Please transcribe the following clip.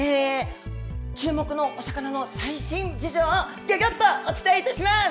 注目のおさかなの最新事情を、ぎょぎょっとお伝えいたします！